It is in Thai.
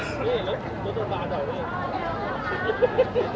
สวัสดีครับอาศักดิ์กาสธุรกิจ